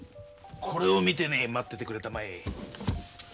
これを見てね待っててくれたまえ。